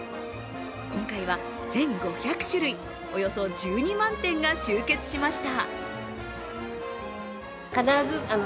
今回は１５００種類、およそ１２万点が集結しました。